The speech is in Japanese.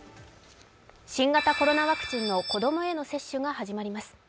新型コロナワクチンの子供への接種が始まります。